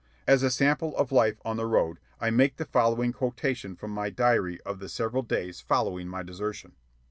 As a sample of life on The Road, I make the following quotation from my diary of the several days following my desertion.